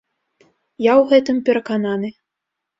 Я ў гэтым перакананы.